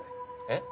えっ？